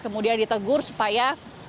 kemudian ditegur supaya